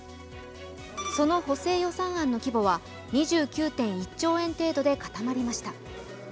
その補正予算案の規模は２９．１兆円程度で固まりました。